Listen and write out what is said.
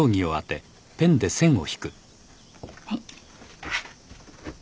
はい。